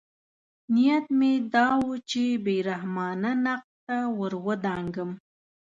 نیت مې دا و چې بې رحمانه نقد ته ورودانګم.